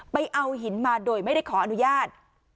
ไปเอาหินมาโดยไม่ได้ขออนุญาต